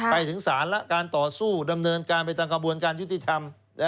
ไปถึงศาลแล้วการต่อสู้ดำเนินการไปตามกระบวนการยุติธรรม